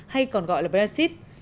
hay còn gọi là brexit